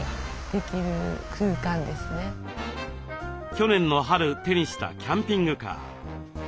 去年の春手にしたキャンピングカー。